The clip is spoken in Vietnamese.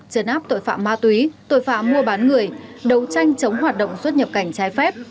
chấn áp tội phạm ma túy tội phạm mua bán người đấu tranh chống hoạt động xuất nhập cảnh trái phép